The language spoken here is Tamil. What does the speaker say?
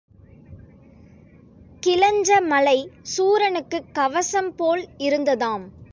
கிளெஞ்ச மலை சூரனுக்குக் கவசம் போல் இருந்ததாம்.